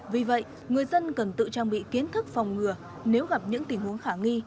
vì vậy người dân cần tự trang bị kiến thức phòng ngừa nếu gặp những tình huống khả nghi